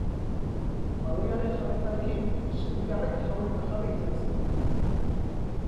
Baloiaren jabetzarekin, sevillarrek jaun eta jabe izan ziren.